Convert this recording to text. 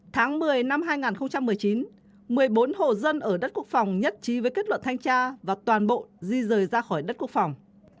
tháng một mươi năm hai nghìn một mươi chín một mươi bốn hồ dân ở đất quốc phòng nhất trí với kết luận thanh tra và toàn bộ di rời ra khỏi đất quốc phòng